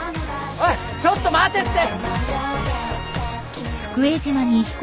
おいちょっと待てって！